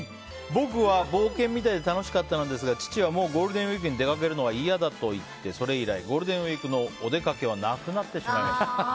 僕は冒険みたいで楽しかったのですが父はもうゴールデンウィークに出かけるのは嫌だと言ってそれ以来ゴールデンウィークのお出かけはなくなってしまいました。